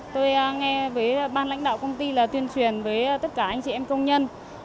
tôi nghe với ban lãnh đạo công ty là tuyên truyền với tất cả anh chị em công nhân